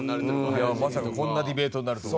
いやまさかこんなディベートになるとは。